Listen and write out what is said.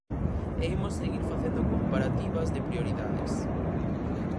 E imos seguir facendo comparativas de prioridades.